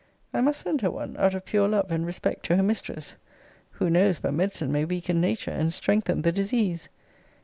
I must send her one, out of pure love and respect to her mistress. Who knows but medicine may weaken nature, and strengthen the disease?